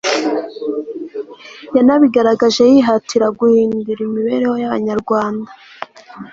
yanabigaragaje yihatira guhindura imibereho y'abanyarwanda